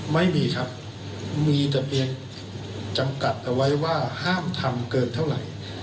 ไม่มีครับมีแต่เพียงจำกัดเอาไว้ว่าห้ามทำเกินเท่าไหร่